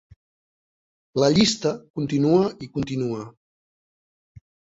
La llista continua i continua.